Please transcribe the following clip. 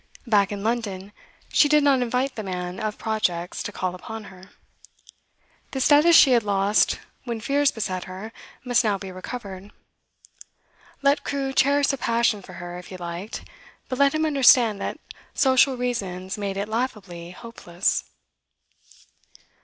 Back in London, she did not invite the man of projects to call upon her. The status she had lost when fears beset her must now be recovered. Let Crewe cherish a passion for her if he liked, but let him understand that social reasons made it laughably hopeless.